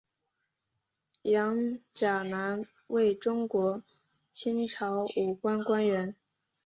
杨钾南为中国清朝武官官员。